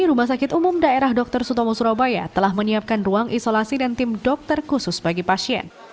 rumah sakit umum daerah dr sutomo surabaya telah menyiapkan ruang isolasi dan tim dokter khusus bagi pasien